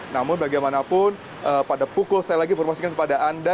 namun bagaimanapun pada pukul saya lagi informasikan kepada anda